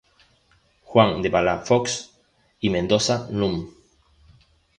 Juan de Palafox y Mendoza núm.